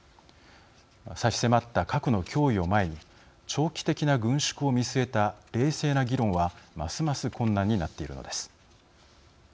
差し迫った核の脅威を前に長期的な軍縮を見据えた冷静な議論はますます困難になっているのです。